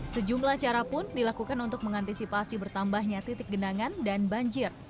sejumlah cara pun dilakukan untuk mengantisipasi bertambahnya titik genangan dan banjir